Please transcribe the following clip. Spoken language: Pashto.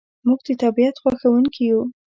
موږ د طبیعت خوښونکي یو.